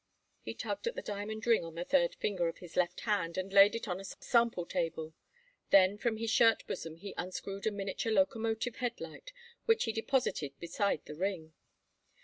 He tugged at the diamond ring on the third finger of his left hand and laid it on a sample table. Then from his shirt bosom he unscrewed a miniature locomotive headlight, which he deposited beside the ring.